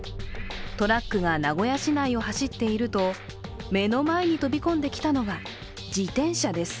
トラックが名古屋市内を走っていると、目の前に飛び込んできたのが自転車です。